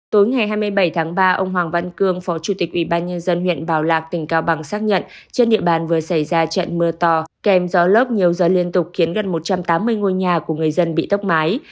tối ngày hai mươi bảy tháng ba ông hoàng văn cương phó chủ tịch ủy ban nhân dân huyện bảo lạc tỉnh cao bằng xác nhận trên địa bàn vừa xảy ra trận mưa to kèm gió lốc nhiều giờ liên tục khiến gần một trăm tám mươi ngôi nhà của người dân bị tốc mái